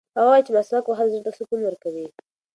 هغه وایي چې مسواک وهل زړه ته سکون ورکوي.